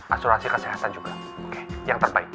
asurasi kesehatan juga